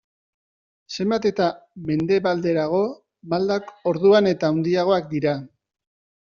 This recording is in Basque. Zenbat eta mendebalderago, maldak orduan eta handiagoak dira.